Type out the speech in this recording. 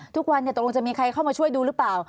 ทุกวันตกลงจะมีใครเข้ามาช่วยดูหรือเปล่า